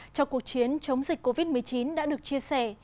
cho cuộc chiến chống dịch covid một mươi chín đã được chia sẻ